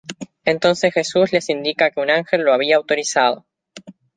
Entonces Jesús les indica que un ángel lo había autorizado.